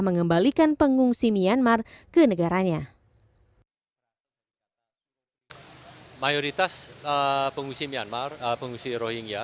mengembalikan pengungsi myanmar ke negaranya mayoritas pengungsi myanmar pengungsi rohingya